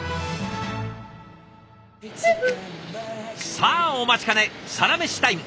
さあお待ちかねサラメシタイム。